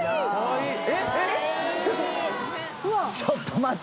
ちょっと待て。